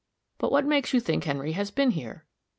But what makes you think Henry has been here?"